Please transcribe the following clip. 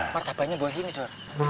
mantabaknya bawa sini dor